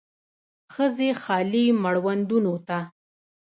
ښځې خالي مړوندونو ته